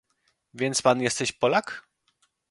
"Więc pan jesteś polak?..."